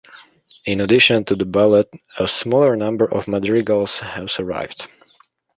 In addition to the "ballate," a smaller number of madrigals have survived.